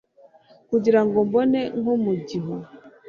Kugira ngo mbone nko mu gihu